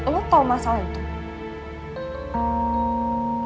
lo tau masalah itu